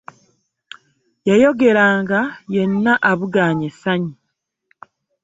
Yayogera nga yenna abugaanye essanyu.